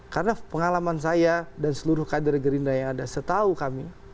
karena pengalaman saya dan seluruh kader gerindra yang ada setahu kami